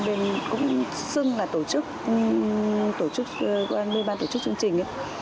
tôi cũng xưng là tổ chức tổ chức bên ban tổ chức chương trình